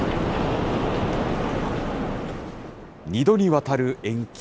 ２度にわたる延期。